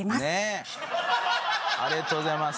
ありがとうございます。